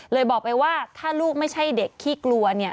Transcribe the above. บอกไปว่าถ้าลูกไม่ใช่เด็กขี้กลัวเนี่ย